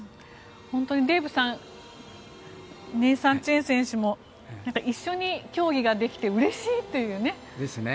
本当にデーブさんネイサン・チェン選手も一緒に競技ができてうれしいというね。